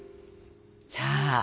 さあ。